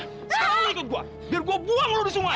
sekarang ikut gua biar gua buang lu di sungai